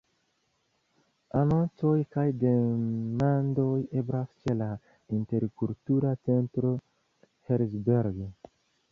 Anoncoj kaj demandoj eblas ĉe la Interkultura Centro Herzberg.